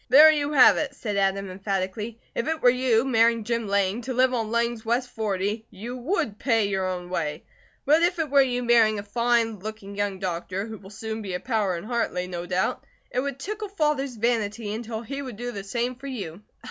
"There you have it!" said Adam emphatically. "If it were you, marrying Jim Lang, to live on Lang's west forty, you WOULD pay your own way. But if it were you marrying a fine looking young doctor, who will soon be a power in Hartley, no doubt, it would tickle Father's vanity until he would do the same for you."